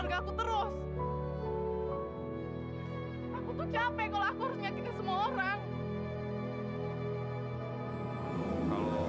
kalau aku harus nyakitin semua orang